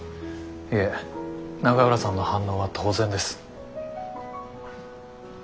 いえ永浦さんの反応は当然です。